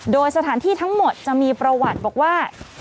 โดยสถานที่ทั้งหมดจะมีประวัติบอกว่า